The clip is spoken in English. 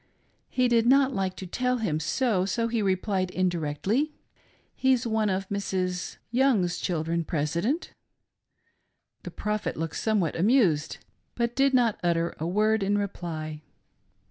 He did not like to tell him so, so he replied indirectly, " He's one of Mrs Young's children. President." The Prophet looked somewhat amused, but did not utter a word in reply.